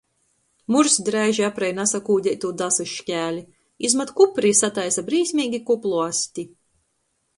Murs dreiži aprej nasakūdeitū dasys škēli, izmat kupri i sataisa brīsmeigi kuplu asti.